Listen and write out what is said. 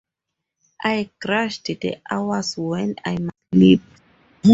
I grudge the hours when I must sleep.